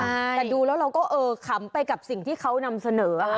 แต่ดูแล้วเราก็เออขำไปกับสิ่งที่เขานำเสนอค่ะ